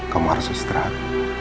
kamu harus istirahat